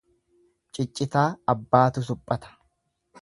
Ciccitaa abbaatu suphata.